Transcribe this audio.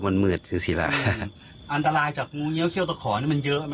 วันเมือดจังสิละอันตรายจากงูเงี้ยวเชี่ยวตะของนี่มันเยอะไหม